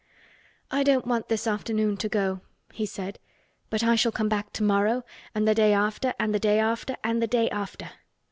"I don't want this afternoon to go," he said; "but I shall come back tomorrow, and the day after, and the day after, and the day after."